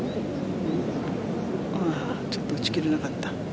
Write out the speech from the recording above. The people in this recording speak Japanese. ちょっと打ち切れなかった。